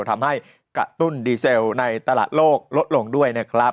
ทำให้กระตุ้นดีเซลในตลาดโลกลดลงด้วยนะครับ